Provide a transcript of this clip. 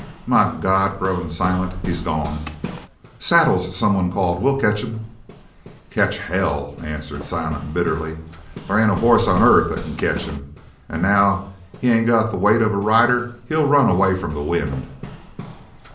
"My God," groaned Silent, "he's gone!" "Saddles!" called someone. "We'll catch him!" "Catch hell!" answered Silent bitterly. "There ain't a hoss on earth that can catch him an' now that he ain't got the weight of a rider, he'll run away from the wind!"